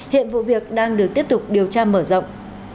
hiện vụ việc đang được tiếp tục điều tra mở rộng